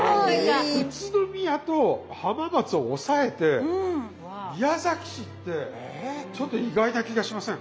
宇都宮と浜松を抑えて宮崎市ってちょっと意外な気がしません？